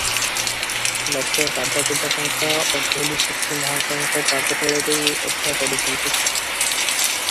ଲୋକେ ପାଦପୂଜା ଟଙ୍କା ଅଧୂଲି ସୁକି ମହନ୍ତଙ୍କ ପାଦତଳେ ଦେଇ ଅଧ୍ୟା ପଡିଛନ୍ତି ।